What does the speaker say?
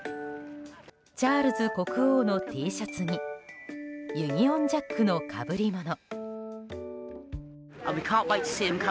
チャールズ国王のＴシャツにユニオンジャックのかぶりもの。